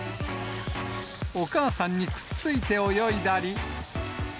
お母さんにくっついて泳いだり。